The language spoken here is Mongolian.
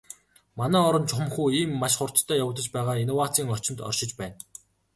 Манай орон чухамхүү ийм маш хурдацтай явагдаж байгаа инновацийн орчинд оршиж байна.